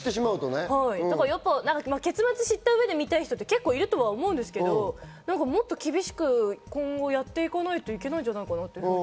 結末知った上で見たい人って結構いるとは思うんですけど、もっと厳しく今後やっていかないといけなんじゃないかなって思います。